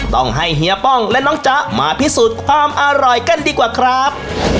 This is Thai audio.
ต้องให้เฮียป้องและน้องจ๊ะมาพิสูจน์ความอร่อยกันดีกว่าครับ